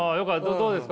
どうですか？